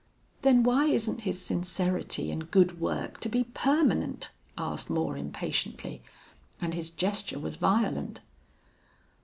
"Then why isn't his sincerity and good work to be permanent?" asked Moore, impatiently, and his gesture was violent.